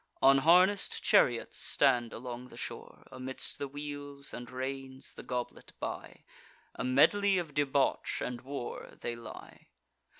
Unharness'd chariots stand along the shore: Amidst the wheels and reins, the goblet by, A medley of debauch and war, they lie.